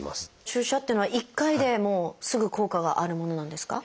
注射っていうのは１回でもうすぐ効果があるものなんですか？